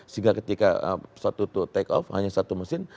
sehingga ketika pesawat itu take off hanya satu mesin